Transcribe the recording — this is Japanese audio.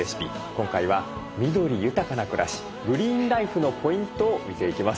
今回は緑豊かな暮らしグリーンライフのポイントを見ていきます。